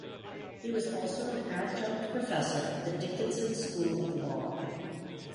He also was an adjunct professor at the Dickinson School of Law.